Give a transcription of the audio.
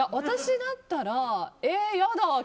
私だったらえ、やだ！